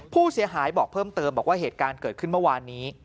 ผู้เสียหายบอกเพิ่มเติมบอกว่าเหตุการณ์เกิดขึ้นเมื่อวานนี้